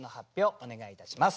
お願いいたします。